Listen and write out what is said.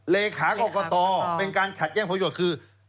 รคกตเป็นการขัดแจ้งผู้โยชน์คือ